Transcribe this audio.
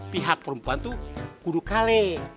pihak perempuan tuh kudu kale